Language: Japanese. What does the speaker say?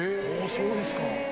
そうですか。